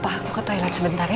wah aku ke toilet sebentar ya